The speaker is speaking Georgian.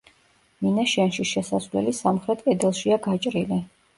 მინაშენში შესასვლელი სამხრეთ კედელშია გაჭრილი.